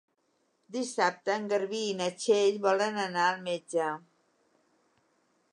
Dissabte en Garbí i na Txell volen anar al metge.